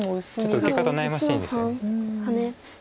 ちょっと受け方悩ましいんですよね。